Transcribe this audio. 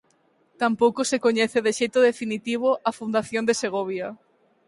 Tampouco se coñece de xeito definitivo a fundación de Segovia.